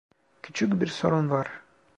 Küçük bir sorun var.